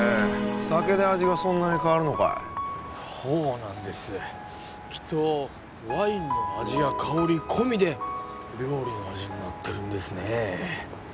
酒で味がそんなに変わるのかいほうなんですきっとワインの味や香り込みで料理の味になってるんですねえ